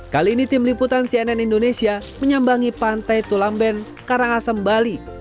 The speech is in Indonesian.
kali ini tim liputan cnn indonesia menyambangi pantai tulamben karangasem bali